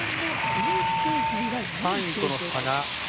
３位との差が。